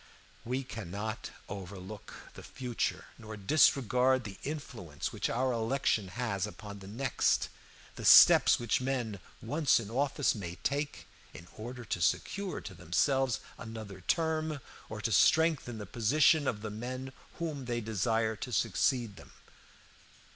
We cannot overlook the future, nor disregard the influence which our election has upon the next; the steps which men, once in office, may take in order to secure to themselves another term, or to strengthen the position of the men whom they desire to succeed them.